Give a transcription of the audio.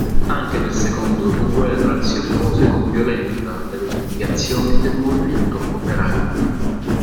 Anche nel secondo dopoguerra si oppose con violenza alle rivendicazioni del movimento operaio.